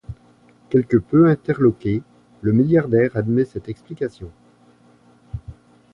Quelque peu interloqué, le milliardaire admet cette explication.